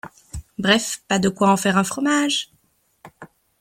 Bref, pas de quoi en faire un fromage.